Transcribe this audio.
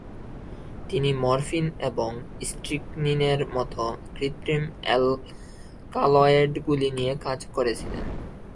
তিনি মরফিন এবং স্ট্রিকনিনের মতো কৃত্রিম অ্যালকালয়েডগুলি নিয়ে কাজ করেছিলেন।